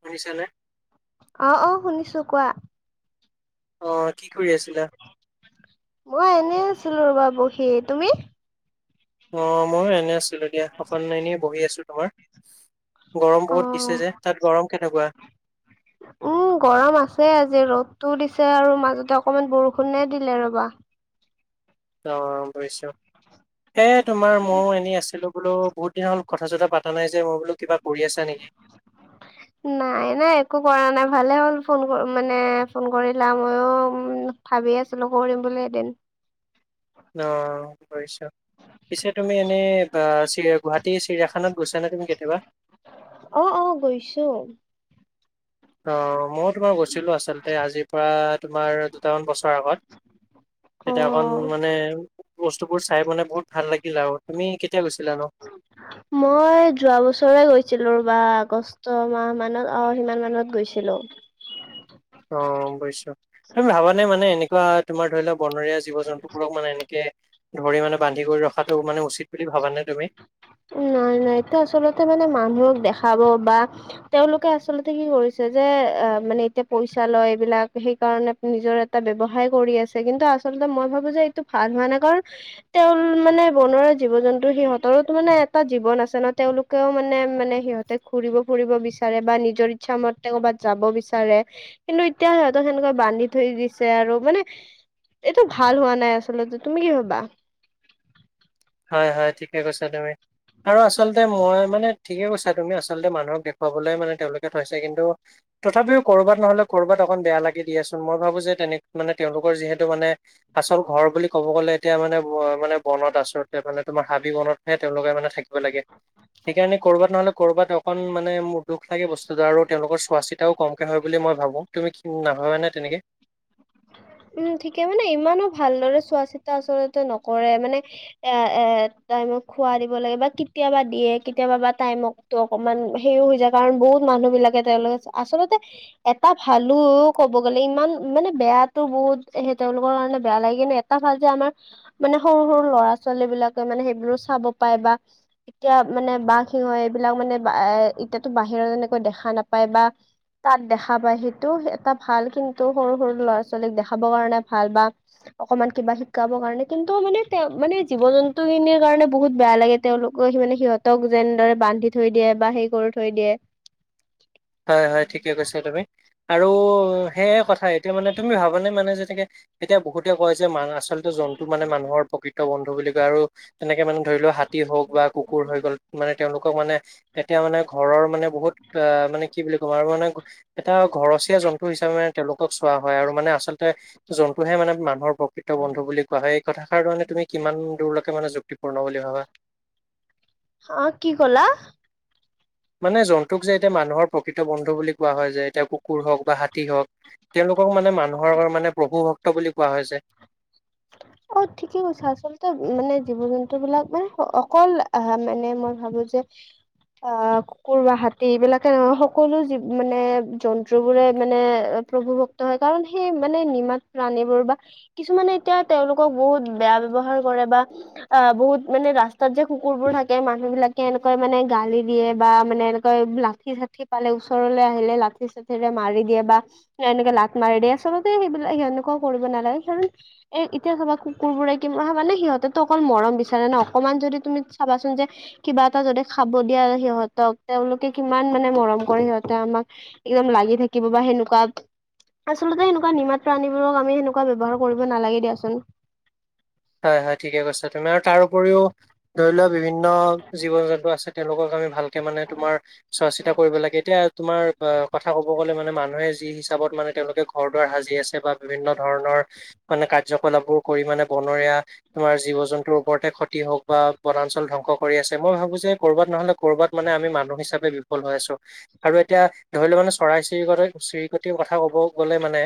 শুনিছা নে। অ', অ', শুনিছো কোৱা। অ', কি কৰি আছিলা? মই এনে আছিলো ৰ'বা বহি, তুমি? অ', মইয়ো এনে আছিলো দিয়া, অকন এনে বহি আছোঁ তোমাৰ। গৰম অ বহুত দিছে যে, তাত গৰম কেনেকুৱা? উম, গৰম আছে আজি, ৰ'দটো দিছে আৰু, মাজতে অকমান বৰষুণে দিলে ৰ'বা। অ', বুজিছোঁ। এই তোমাৰ ময়ো এনেই আছিলোঁ বোলো, বহুত দিন হ'ল কথা-চথা পতা নাই যে, মই বোলো কিবা কৰি আছা নেকি। নাই, নাই একো কৰা নাই, ভালে হ'ল ফোন মানে ফোন কৰিলা মইও উম। ভাবি আছিলো কৰিম বুলি এদিন। অ', বুজিছোঁ। পিছে তুমি এনে, চি গুৱাহাটী চিৰিয়াখানাত গৈছা নে তুমি কেতিয়াবা? অ', অ', গৈছো। অ', মই তোমাৰ গৈছিলো আচলতে, আজিৰ পৰা তোমাৰ দুটামান বছৰ আগত। অ তেতিয়া অকণ মানে, বস্তুবোৰ চাই মানে বহুত ভাল লাগিল আৰু তুমি কেতিয়া গৈছিলা নোঁ? মই যোৱা বছৰে গৈছিলো ৰবা, আগষ্ট ষ্ট মাহ মানত অ', সিমান মানত গৈছিলো। অ', বুজিছো, তুমি ভাবা নাই মানে এনেকুৱা তোমাৰ ধৰিলক বনৰীয়া জীৱ-জন্তুবোৰক মানে এনেকে ধৰি মানে বান্ধি কৰি ৰখাটো, মানে উচিত বুলি ভাবানে তুমি? নাই, নাই এইটো আচলতে মানে, মানুহক দেখাব বা তেওঁলোকে আচলতে কি কৰিছে, যে অ', মানে এতিয়া পইচা লয় এইবিলাক সেইকাৰণে। নিজৰ এটা ব্যৱসায় কৰি আছে, কিন্তু আচলতে মই ভাবো যে এইটো ভাল হোৱা নাই কাৰণ তেওঁৰ মানে বনৰীয়া জীৱ জন্তু সিহঁতৰো মানে এটা জীৱন আছে ন তেওঁলোকেও মানে মানে সিহঁতে ঘুৰিব ফুৰিব বিচাৰে বা নিজৰ ইচ্ছা মতে ক'বাত যাব বিচাৰে। কিন্তু এতিয়া সিহঁতক সেনেকুৱা বান্ধি থৈ দিছে আৰু মানে এইটো ভাল হোৱা নাই আচলতে, তুমি কি ভাবা? হয়, হয়, ঠিকে কৈছা তুমি। আৰু আচলতে মই মানে ঠিকে কৈছা তুমি আচলতে মানুহক দেখুৱাবলৈ মানে তেওঁলোকে থৈছে। কিন্তু তথাপিও ক'ৰবাত নহ'লে ক'ৰবাত অকণ বেয়া লাগি দিয়েচোন। মই ভাবো যে তেনে মানে তেওঁলোকৰ যিহেতু মানে আচল ঘৰ বুলি ক'ব গ'লে এতিয়া মানে মানে বনত আচল। মানে তোমাৰ হাবি বনতহে তেওঁলোকে মানে থাকিব লাগে। সেইকাৰণে ক'ৰবাত নহ'লে ক'ৰবাত অকণ মানে মোৰ দুখ লাগে বস্তুটো আৰু তেওঁলোকৰ চোৱা চিত কমকে হয় বুলি মই ভাবো, তুমি কি নাভাবানে তেনেকে? উম, ঠিকে! মানে ইমানো ভালদৰে চোৱা চিতা আচলতে নকৰে মানে এ এ টাইমক খোৱা দিব লাগে বা কেতিয়াবা দিয়ে কেতিয়াবা বা টাইমক টো অকমান হেৰিও হৈ যায় কাৰণ বহুত মানুহবিলাকে তেওঁলোকে আচলতে এটা ভালো ক'ব গ'লে ইমান মানে বেয়া টো বহুত সেই তেওঁলোকৰ কাৰণে বেয়া লাগে। কিন্তু এটা ভাল যে আমাৰ মানে সৰু সৰু ল'ৰা ছোৱালীবিলাকে মানে সেইবোৰো চাব পায় বা এতিয়া মানে বাঘ সিংহ এইবিলাক মানে এ এতিয়াতো বাহিৰত এনেকৈ দেখা নাপায় বা তাত দেখা পায় সেইটো এটা ভাল। কিন্তু সৰু সৰু ল'ৰা ছোৱালীক দেখাবৰ কাৰণে ভাল বা অকমান কিবা শিকাব কাৰণে কিন্তু মানে মানে জীৱ জন্তুখিনিৰ কাৰণে বহুত বেয়া লাগে। তেওঁলোকে সি মানে সিহঁতক যেনেদৰে বান্ধি থৈ দিয়ে বা সেই কৰি থৈ দিয়ে। হয়, হয়, ঠিকে কৈছা তুমি। আৰু সেয়ে কথা এতিয়া মানে তুমি ভাবানে মানে যেনেকে এতিয়া বহুতে কয় যে মানাছ আচল জন্তু মানে মানুহৰ প্ৰকৃত বন্ধু বুলি কয় আৰু তেনেকে মানে ধৰি লোৱা হাতী হওঁক বা কুকুৰ হৈ গ'ল মানে তেওঁলোকক মানে তেতিয়া মানে ঘৰৰ মানে বহুত অ' মানে কি বুলি ক'ম আৰু মানে এটা ঘৰচীয়া জন্তু হিচাপে মানে তেওঁলোকক চোৱা হয় আৰু মানে আচলতে জন্তুহে মানে মানুহৰ প্ৰকৃত বন্ধু বুলি কোৱা হয়। এই কথাষাৰ ধৰণে তুমি কিমান দূৰলৈকে মানে যুক্তিপূৰ্ণ বুলি ভাবা? অ', কি ক'লা? মানে জন্তুক যে এতিয়া মানুহৰ প্ৰকৃত বন্ধু বুলি কোৱা হয় যে এতিয়া কুকুৰ হওঁক বা হাতী হওঁক। তেওঁলোকক মানে মানুহৰ মানে প্ৰভু ভক্ত বুলি কোৱা হৈছে। অ', ঠিকে কৈছে, আচলতে মানে জীৱ জন্তু বিলাক মানে অকল আহ মানে মই ভাবো যে আহ কুকুৰ বা হাতী এইবিলাকে নহয় সকলো জিব মানে জন্তুবোৰে মানে প্ৰভু ভক্ত হয়। কাৰণ সেই মানে নিমাত প্ৰাণীবোৰ বা কিছুমানে এতিয়া তেওঁলোকক বহুত বেয়া ব্যৱহাৰ কৰে বা অ', বহুত মানে ৰাস্তাত যে কুকুৰবোৰ থাকে মানুহবিলাকে এনেকৱৈ মানে গালি দিয়ে বা মানে হয় লাঠি চাঠি পালে ওচৰলৈ আহিলে লাঠি চাঠিৰে মাৰি দিয়ে বা এনেকে লাঠ মাৰি দিয়ে। আচলতে সেইবিলাক সেনেকুৱাও কৰিব নালাগে। কাৰণ এ এতিয়া চাবা কুকুৰবোৰে কি মানে সিহঁতেতো অকল মৰম বিচাৰে ন অকণমান যদি তুমি চাবাচোন যে কিবা এটা যদি খাব দিয়া সিহঁতক তেওঁলোকে কিমান মানে মৰম কৰে সিহঁতে আমাক একদম লাগি থাকিব বা সেনেকুৱা আচলতে সেনেকুৱা নিমাত প্ৰাণীবোৰক আমি সেনেকুৱা ব্যৱহাৰ কৰিব নালাগে দিয়াচোন। হয়, হয়, ঠিকে কৈছা তুমি আৰু তাৰ উপৰিও ধৰি লোৱা বিভিন্ন জীৱ জন্তু আছে। তেওঁলোকক আমি ভালকে মানে তোমাৰ চোৱা চিতা কৰিব লাগে এতিয়া তোমাৰ আহ কথা ক'ব গ'লে মানে মানুহে যি হিচাপত মানে তেওঁলোকেক ঘৰ দুৱাৰ সাজি আছে বা বিভিন্ন ধৰণৰ মানে কাৰ্যকলাপবোৰ কৰি মানে বনৰীয়া তোমাৰ জীৱ জন্তুৰ ওপৰতে ক্ষতি হওক বা বনাঞ্চল ধ্বংস কৰি আছে মই ভাবো যে কৰ'বাত নহ'লে কৰ'বাত মানে আমি মানুহ হিচাপে বিফল হৈ আছো। আৰু এতিয়া ধৰি লও মানে চৰাই- চিৰিকতৰ চিৰিকটিৰ কথা ক'ব গ'লে মানে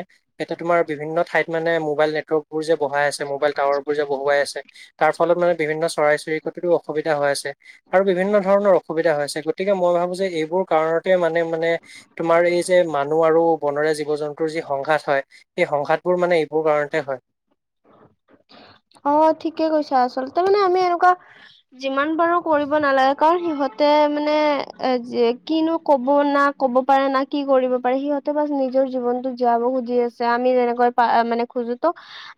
এতিয়া তোমাৰ বিভিন্ন ঠাইত মানে মোবাইল নেতৱৰ্কবোৰ যে বহাই আছে মোবাইল টাৱাৰ বোৰ যে বহুৱাই আছে তাৰ ফলত মানে বিভিন্ন চৰাই চিৰিকটিৰো অসুবিধা হৈ আছে। আৰু বিভিন্ন ধৰণৰ অসুবিধা হৈ আছে গতিকে মই ভাবো যে এইবোৰ কাৰণতে মানে মানে তোমাৰ এই যে মানুহ আৰু বনৰীয়া জীৱ-জন্তুৰ যি সংঘাত হয় সেই সংঘাতবোৰ মানে এইবোৰ কাৰণতে হয়। [inaudible] অ ঠিকেই কৈছা আচলতে মানে আমি এনেকুৱা যিমান পাৰো কৰিব নালাগে কাৰণ সিহঁতে মানে এ কিনো কব না- ক'ব পাৰে না কি কৰিব পাৰে সিহঁতে বচ নিজৰ জীৱনতো জীয়াব খুজি আছে আমি যেনেকৈ মানে খোজোঁ - ত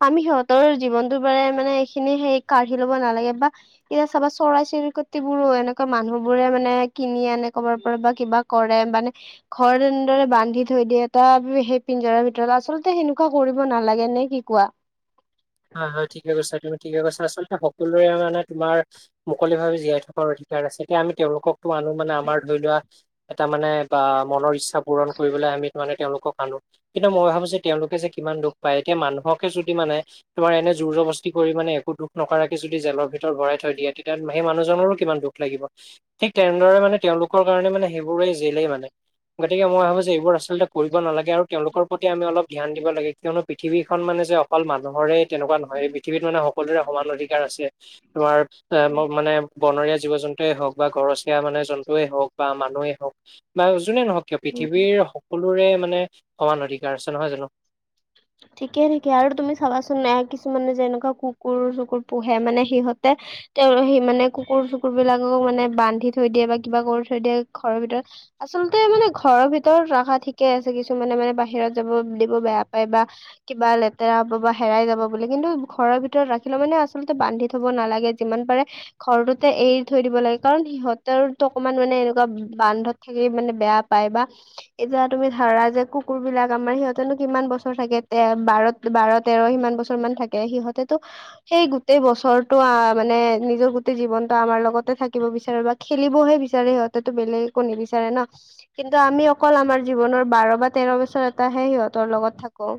আমি সিহঁতৰ জীৱনটোৰ পৰা মানে এইখিনি সেই কাঢ়ি ল'ব নালাগে বা- এতিয়া চাবা চৰাই -চিৰিকটিবোৰো এনেকুৱা মানুহ বোৰে মানে কিনি আনে কবাৰ পৰা বা কিবা- কৰে মানে- ঘৰত এনেদৰে বান্ধি থৈ দিয়ে এটা সেই পিঞ্জৰাৰ ভিতৰত আচলতে সেনেকুৱা কৰিব নালাগে নে কি কোৱা? হয় হয় ঠিকেই কৈছা তুমি ঠিকেই কৈছা আচলতে সকলোৰে মানে তোমাৰ- মুকলিভাৱে জীয়াই থকাৰ অধিকাৰ আছে এতিয়া আমি তেওঁলোকতো আনো মানে আমাৰ ধৰি লোৱা - এটা মানে বা মনৰ ইচ্ছা পূৰণ কৰিবলৈ আমি মানে তেওঁলোকক আনো কিন্তু মই ভাবো যে তেওঁলোকে যে কিমান দুখ পায় এতিয়া মানুহকে যদি মানে- তোমাৰ এনে জোৰ জবস্তি কৰি মানে একো দুখ নকৰাকে যদি জেলৰ ভিতৰত ভৰাই থৈ দিয়ে তেতিয়া সেই মানুহজনৰো কিমান দুখ - লাগিব, ঠিক তেনেদৰে মানে তেওঁলোকৰ কাৰণে মানে সেইবোৰে জেলেই মানে। গতিকে মই ভাবো যে এইবোৰ আচলতে কৰিব নালাগে আৰু তেওঁলোকৰ প্ৰতি আমি অলপ ধ্যান দিব লাগে। কিয়নো পৃথিৱীখন মানে যে অকল মানুহৰে তেনেকুৱা নহয় পৃথিৱিত মানে সকলোৰে সমান অধিকাৰ আছে। তোমাৰ মানে বনৰীয়া জীৱ-জন্তু ন্তুয়ে হওক বা ঘৰচীয়া মানে জন্তুৱেই হওক বা মানুহেই হওক বা যোনে নহওক কিয় উম পৃথিৱীৰ সক- সকলোৰে মানে সমান অধিকাৰ আছে নহয় জানো? ঠিকেই ঠিকেই আৰু তুমি চাবাচোন এ কিছুমানে যেনেকুৱা কুকুৰ চুকুৰ পোহে মানে সিহঁতে তেওঁ সি মানে কুকুৰ চুকুৰ বিলাকক মানে বান্ধি থৈ দিয়ে বা কিবা কৰি থৈ দিয়ে ঘৰৰ ভিতৰত আচলতে মানে ঘৰৰ ভিতৰত ৰাখা ঠিকেই আছে কিছু মানে মানে বাহিৰত যাব দিব বেয়া পাই বা- কিবা লেতেৰা হব বা হেৰাই যাব বুলি কিন্তু ঘৰৰ ভিতৰত ৰাখিলে মানে আচলতে বান্ধি থব নালাগে যিমান পাৰে ঘৰটোতে এৰি থৈ দিব লাগে কাৰণ সিহঁতৰোটো অকমান মানে এনেকুৱা বান্ধত- থাকি মানে বেয়া পায় বা এতিয়া তুমি ধৰা যে কুকুৰ বিলাক আমাৰ সিহঁতেনো কিমান বছ- ছৰ থাকে তে বাৰ বাৰ তেৰ সিমান বছৰ মান থাকে সিহঁতেতো- সেই গোটেই বছৰটো আ মানে নিজৰ গোটেই জীৱনটো আমাৰ লগতে থাকিব বিচাৰে বা খেলিবহে বিচাৰে সিহঁতেটো বেলেগ একো নিবিচাৰে না। কিন্তু আমি অকল আমাৰ জীৱনৰ বাৰ বা তেৰ বছৰ এটাহে সিহঁতৰ লগত থাকো।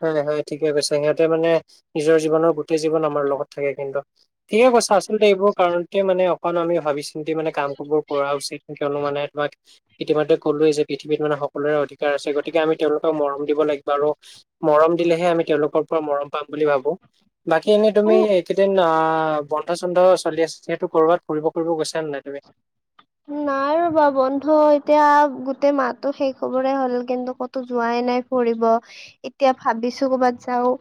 হয় হয় ঠিকেই কৈছে, সিহঁতে মানে নিজৰ জীৱনৰ গোটেই জীৱন আমাৰ লগত থাকে কিন্তু। ঠিকেই কৈছা আচলতে এইবোৰ কাৰণতে মানে অকণ আমি ভাবি -চিন্তি মানে কামবোৰ কৰা উচিত। কিয়নো মানে তোমাক ইতিমধ্যে ক'লোৱেই যে পৃথিৱীত মানে সকলোৰে অধিকাৰ আছে গতি- তিকে আমি তেওঁলোকক মৰম দিব লাগিব আৰু মৰম দিলেহে আমি তেওঁলোকৰ পৰা মৰম পাম বুলি ভাবো। বাকি এনে তুমি উম এইকেদিন আ ব ন্ধ চন্ধ চলি আছে যিহেতু ক'ৰবাত ফুৰিব চুৰিব গৈছা নে নাই তুমি? নাই ৰবা বন্ধ এতিয়া গোটেই মাহটো শেষ হবৰে হ'ল কিন্তু, ক তো যোৱাই নাই ফুৰিব এতিয়া ভাবিছো কৰ'বাত যাও।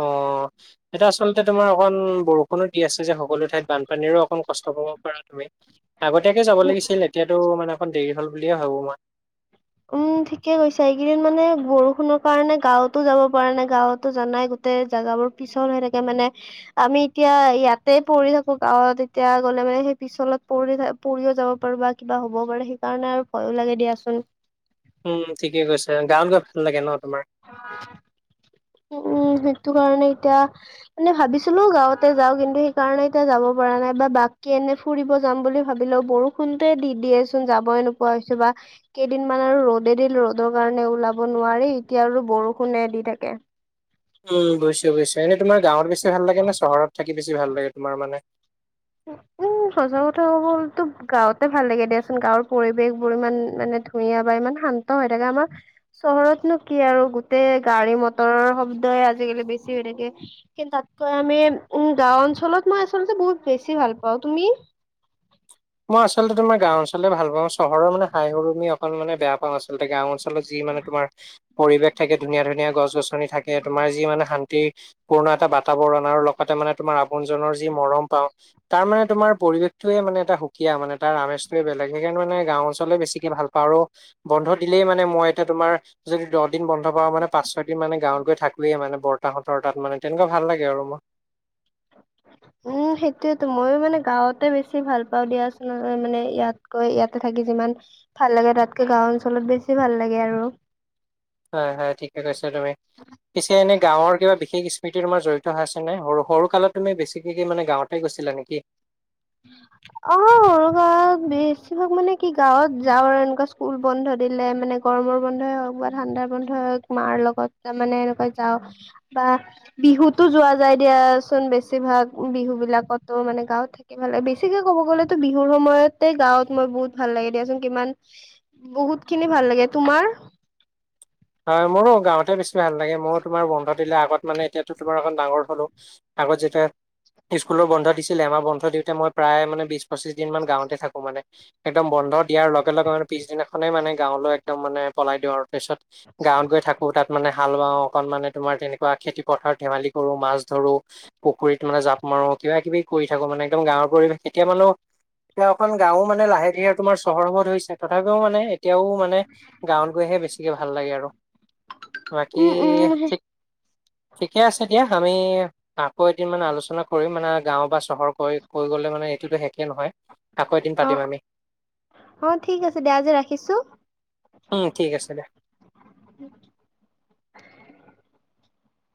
অ'। এতিয়া আচলতে তোমাৰ অকণ বৰষুণো দি আছে যে সকলো ঠাইত বানপানীৰো অকণ কষ্ট পাব পাৰা তুমি। আগতীয়াকে যাব লাগিছিল। এতিয়াতো মানে অকণ দেৰি হ'ল বুলিয়ে ভাবো মই। উম ঠিকে কৈছা এইকেইদিন মানে বৰষুণৰ কাৰণে গাঁৱতো যাব পৰা নাই গাঁৱতো জানাই গো টেই জাগাবোৰ পিছল হৈ থাকে মানে। আমি এতিয়া ইয়াতে পৰি থাকো গাঁৱত এতিয়া গ'লে মানে সেই পিছলত পৰি থা পৰিয়ে যাব পাৰে বা কিবা হ'ব পাৰে সেইকাৰণে আৰু ভয়ো লাগে দিয়াচোন। উম ঠিকে কৈছে গাঁৱত গৈ ভাল লাগে ন তোমাৰ? উম সেইটো কাৰণে এতিয়া মানে ভাবিছিলো গাঁৱতে যাওঁ কিন্তু সেইকাৰণে এতিয়া যাব পৰা নাই বা বাকী এনেই ফুৰিব যাম বুলি ভাবিলেও বৰষুণটোৱে দি দিয়েচোন যাবই নোপোৱা হৈছো বা কেইদিনমান আৰু ৰ'দে দিল ৰ'দৰ কাৰণে ওলাব নোৱাৰি এতিয়া আৰু বৰষুণে দি থাকে। উম বুজিছো বুজিছো, এনে তোমাৰ গাঁৱত বেছি ভাল লাগে নে চহৰত থাকি বেছি ভাল লাগে তোমাৰ মানে? [inaudible] উম সঁছা কথা ক'ব গ'লেতো গাঁওতে ভাল লাগে দিয়াচোন, গাঁৱৰ পৰিৱেশ বোৰ ইমান মানে ধুনীয়া বা ইমান শা ন্ত হৈ থাকে। আমাৰ চহৰতনো কি আৰু গোটেই গাড়ী মটৰৰ শব্দই আজিকালি বেছি হৈ থাকে। কিন্তু তাতকৈ আমি উম গাঁও অঞ্চলত মই আচলতে বহুত বেছি ভাল পাওঁ। তুমি? মই আচলতে তোমাৰ গাঁও অঞ্চলে ভাল পাঁও। চহৰৰ মানে হাই উৰুমি অকল মানে বেয়া পাওঁ আচলতে। গাঁও অঞ্চ লত যি মানে তোমাৰ পৰিৱেশ থাকে ধুনীয়া ধুনীয়া গছ গছনি থাকে তোমাৰ যি মানে শান্তি পূৰ্ণ এটা বাতাবৰণ আৰু লগতে মানে তোমাৰ আপোনজনৰ যি মৰম পাওঁ। তাৰমানে তোমাৰ পৰিৱেশটোৱে মানে এটা সু কীয়া মানে তাৰ আমেজটোৱে বেলেগ। সেইকাৰণে মানে গাঁও অঞ্চলে বেছিকে ভাল পাওঁ আৰু বন্ধ দিলেই মানে মই এতিয়া তোমাৰ যদি দহ দিন বন্ধ পাওঁ মানে পাঁচ ছয়দিন মানে গাঁৱত গৈ থাকোৱে মানে বৰ্তাহঁতৰ তাত মানে তেনেকুৱা ভাল লাগে আৰু মোৰ। [inaudible] উম সেইটোয়েটো মইয়ো মানে গাঁৱতে বেছি ভাল পাওঁ দিয়াচোন মানে ইয়াতকৈ ইয়াতে থাকি যিমান ভাল লাগে তাতকৈ গাঁও অঞ্চলত বেছি ভাল লাগে আৰু। হয় হয়, ঠিকে কৈছা তুমি। পিছে এনে গাঁৱৰ কিবা বিশেষ স্মৃতি তোমাৰ জড়িত হৈ আছে নে? সৰু সৰু কালত তুমি বেছিকে কি কি মানে গাঁৱত গৈছিলা নেকি? [inaudible] অঁ গাঁৱত বেছিভাগ মানে কি গাঁৱত যাওঁ আৰু এনেকুৱা স্কুল বন্ধ দিলে মানে। গৰমৰ বন্ধই হওক বা ঠাণ্ডাৰ বন্ধই হওক মাৰ লগত তাৰ মানে এনেকৈ যাওঁ। বা বিহুতো যোৱা যায় দিয়াচোন বেছিভাগ বিহু বিলাকতো মানে গাঁওত। ভাল লাগে বেছিকে ক'ব গ'লেতো বিহুৰ সময়তে গাঁৱত মই বহুত ভাল লাগে দিয়াচোন কিমান বহুত খিনি ভাল লাগে। তোমাৰ? হয় মোৰো গাঁৱতে বেছি ভাল লাগে। মইয়ো তোমাৰ বন্ধ দিলে আগত মানে এতিয়া তোমাৰ এখন ডাঙৰ হ'লো আগত যেতিয়া স্কুল বন্ধ দিছিলে আমাৰ বন্ধ দিওঁতে মই প্ৰায় মানে বিশ পঁচিশ দিন মান গাঁৱতে থাকো মানে, একদম বন্ধ দিয়াৰ লগে লগে মানে পিছদিনাখনে মানে গাঁৱলৈ একদম মানে পলাই দিওঁ আৰু তাৰপিছত গাঁৱত গৈ থাকো তাত মানে হাল বাাওঁ অকন মানে তোমাৰ তেনেকুৱা খেতি পথাৰত ধেমালি কৰো মাছ ধৰো পুখুৰীতোলে জাঁপ মাৰো কিবা কিবি কৰি থাকো মানে একদম গাঁৱৰ পৰিৱেশ এতিয়া মানুহ এতিয়া এখন গাঁও মানে লাহকে তোমাৰ চহৰ হ'ব ধৰিছে তথাপিও মানে এতিয়াও মানে গাঁৱত গৈহে বেছিকে ভাল লাগে আৰু বাকী উম উম ঠিক ঠিকে আছে দিয়া আমি আকৌ এদিন মানে আলোচনা কৰিম মানে গাঁও বা চহৰ কৈ কৈ গ'লে মানে এইটোতো শেষেই নহয় আকৌ এদিন অ পাতিম আমি অ অ ঠিক আছে দিয়া আজি ৰাখিছো উম ঠিক আছে দে